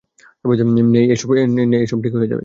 মেই, এসব ঠিক হয়ে যাবে।